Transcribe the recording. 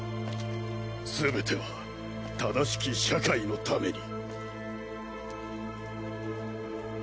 全ては正しき社会の為に。